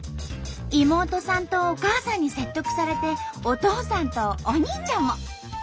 妹さんとお母さんに説得されてお父さんとお兄ちゃんも。